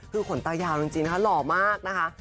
คือขนตายาวจริงนะคะหล่อมากนะคะ